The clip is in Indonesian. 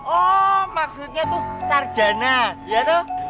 oh maksudnya tuh sarjana ya tuh